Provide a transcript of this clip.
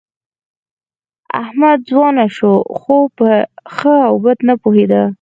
احمد ځوان شو، خو په ښه او بد نه پوهېده.